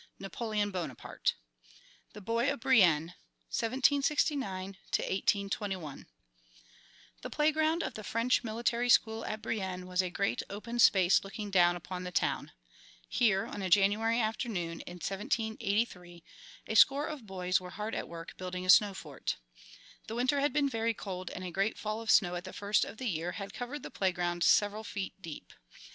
XIV Napoleon Bonaparte The Boy of Brienne: 1769 1821 The playground of the French military school at Brienne was a great open space looking down upon the town. Here, on a January afternoon in 1783, a score of boys were hard at work building a snow fort. The winter had been very cold and a great fall of snow at the first of the year had covered the playground several feet deep.